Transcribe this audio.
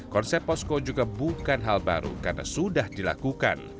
konsep posko juga bukan hal baru karena sudah dilakukan